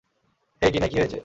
হেই কিনাই, কী হয়েছে?